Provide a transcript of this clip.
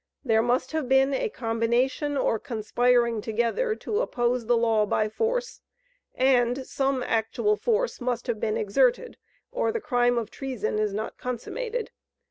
There must have been a combination or conspiring together to oppose the law by force, and some actual force must have been exerted, or the crime of treason is not consummated.